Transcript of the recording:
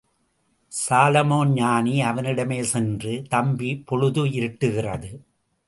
Solomon ஞானி அவனிடமே சென்று, தம்பி பொழுது இருட்டுகிறதே.